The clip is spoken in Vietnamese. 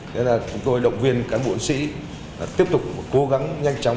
nên là chúng tôi động viên cán bộ sĩ tiếp tục cố gắng nhanh chóng bắt bằng được đối tượng